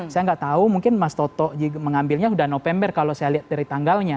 saya nggak tahu mungkin mas toto mengambilnya sudah november kalau saya lihat dari tanggalnya